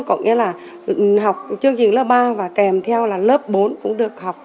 có nghĩa là học chương trình lớp ba và kèm theo là lớp bốn cũng được học